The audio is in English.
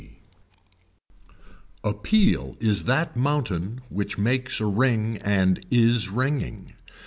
B. A peal is that mountain which makes a ring and is ringing.